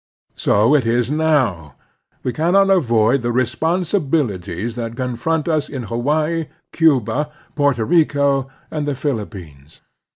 So it is now. / We cannot avoid the responsibilities that confront us in Hawaii, Cuba, Porto Rico, and the Philip pines.